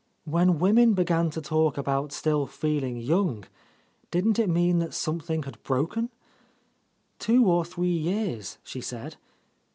When women began to talk about still feeling young, didn't it mean that something had broken? Two or three years, she said.